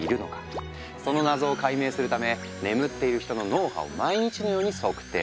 その謎を解明するため眠っている人の脳波を毎日のように測定。